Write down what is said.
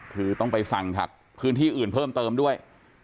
คือต้องไปสั่งถักพื้นที่อื่นเพิ่มเติมด้วย